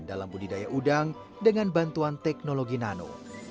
dalam budidaya udang dengan bantuan teknologi nano